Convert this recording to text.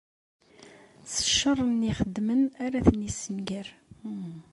S ccer-nni i xeddmen ara ten-issenger.